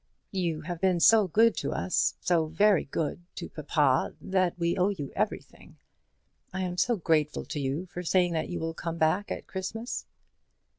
"You have been so good to us, so very good to papa, that we owe you everything. I am so grateful to you for saying that you will come back at Christmas."